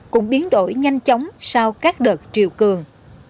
cũng biến đổi nhanh chóng sau các đợt triều cường